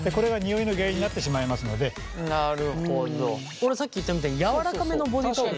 俺さっき言ったみたいにやわらかめのボディータオル